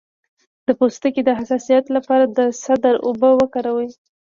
د پوستکي د حساسیت لپاره د سدر اوبه وکاروئ